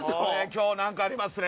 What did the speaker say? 今日何かありますね。